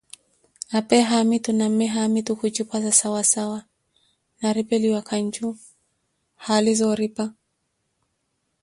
apee haamitu na mme hamitu khujipwaza sawa sawa, na ripeliwa kanju haali za oripa.